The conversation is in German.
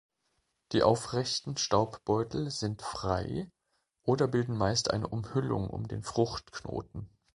Die aufrechten Staubbeutel sind frei oder bilden meist eine Umhüllung um den Fruchtknoten.